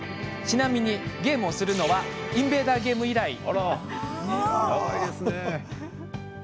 ちなみにゲームはインベーダーゲーム以来。